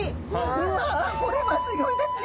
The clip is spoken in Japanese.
うわこれはすギョいですね！